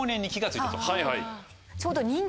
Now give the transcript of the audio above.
ちょうど。